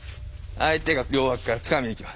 相手が両脇からつかみにきます。